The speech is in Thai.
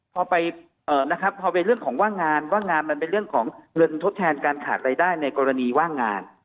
พอไปนะครับพอเป็นเรื่องของว่างงานว่างงานมันเป็นเรื่องของเงินทดแทนการขาดรายได้ในกรณีว่างงาน